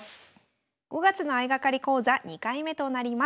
５月の相掛かり講座２回目となります。